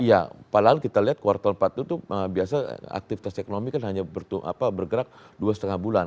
iya padahal kita lihat kuartal empat itu biasa aktivitas ekonomi kan hanya bergerak dua lima bulan